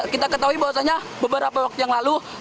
kita ketahui bahwasannya beberapa waktu yang lalu